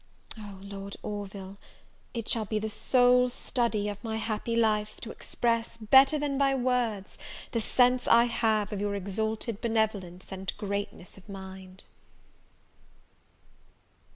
Oh! Lord Orville! it shall be the sole study of my happy life, to express, better than by words, the sense I have of your exalted benevolence and greatness of mind!